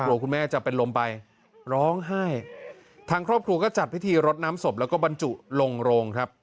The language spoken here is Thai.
คุณแม่จะเป็นลมไปร้องไห้ทางครอบครัวก็จัดพิธีรดน้ำศพแล้วก็บรรจุลงโรงครับ